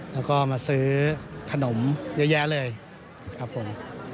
แล้วก็มาซื้อขนมเยอะแยะเลยครับผม